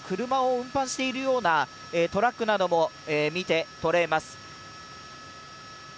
車を運搬しているようなトラックなども見て取れます。